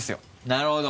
なるほど。